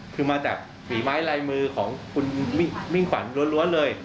คือมาจากฝีไม้ลายมือของคุณมิ่งขวัญล้วนเลย